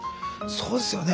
そうですよね。